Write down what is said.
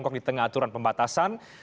kita sudah di tengah aturan pembatasan